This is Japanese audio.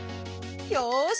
よし！